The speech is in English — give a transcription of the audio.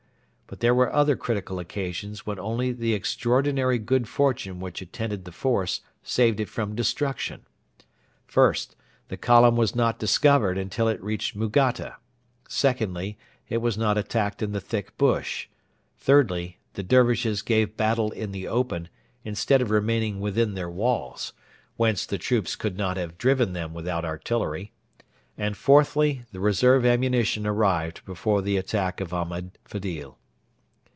But there were other critical occasions when only the extraordinary good fortune which attended the force saved it from destruction. First, the column was not discovered until it reached Mugatta; secondly, it was not attacked in the thick bush; thirdly, the Dervishes gave battle in the open instead of remaining within their walls, whence the troops could not have driven them without artillery; and, fourthly, the reserve ammunition arrived before the attack of Ahmed Fedil.